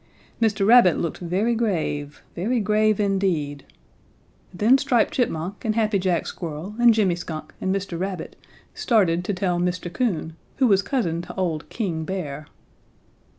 Mr. Rabbit looked very grave, very grave indeed. Then Striped Chipmunk and Happy Jack Squirrel and Jimmy Skunk and Mr. Rabbit started to tell Mr. Coon, who was cousin to old King Bear.